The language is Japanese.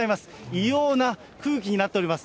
異様な空気になっております。